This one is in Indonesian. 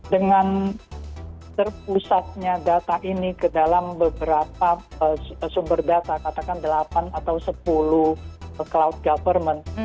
dengan terpusatnya data ini ke dalam beberapa sumber data katakan delapan atau sepuluh cloud government